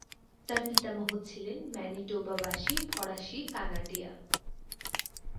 তার পিতামহ ছিলেন ম্যানিটোবা-বাসী ফরাসি-কানাডীয়।